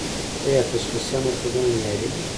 آیا تشخیصیه مرکزونه معیاري دي؟